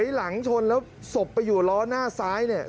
หลังชนแล้วศพไปอยู่ล้อหน้าซ้ายเนี่ย